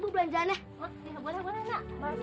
bu belanjaan ya